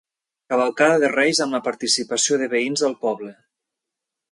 Cavalcada de reis amb la participació de veïns del poble.